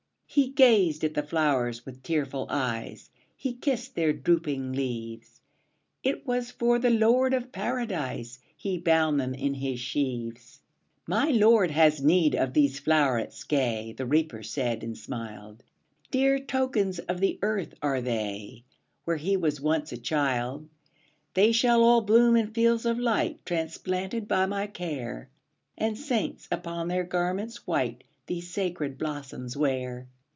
'' He gazed at the flowers with tearful eyes, He kissed their drooping leaves; It was for the Lord of Paradise He bound them in his sheaves. ``My Lord has need of these flowerets gay,'' The Reaper said, and smiled; ``Dear tokens of the earth are they, Where he was once a child. ``They shall all bloom in fields of light, Transplanted by my care, And saints, upon their garments white, These sacred blossoms wear.''